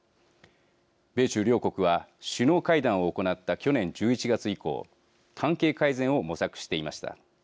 米中両国は首脳会談を行った去年１１月以降関係改善を模索していました。